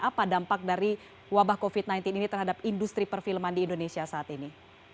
apa dampak dari wabah covid sembilan belas ini terhadap industri perfilman di indonesia saat ini